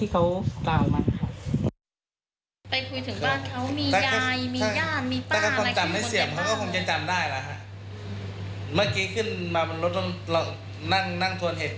ก็แม่ขอแม่ขอจริงไม่ใช่ไม่ขอ